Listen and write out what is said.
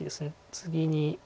次に。